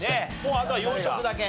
あとは洋食だけ。